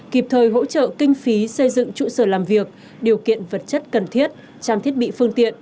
kịp thời hỗ trợ kinh phí xây dựng trụ sở làm việc điều kiện vật chất cần thiết trang thiết bị phương tiện